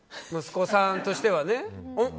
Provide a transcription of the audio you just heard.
息子さんとしてはね。